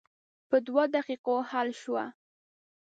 په دوه دقیقو حل شوه.